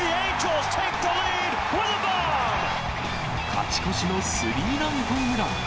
勝ち越しのスリーランホームラン。